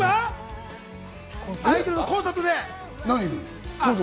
アイドルのコンサートといえば？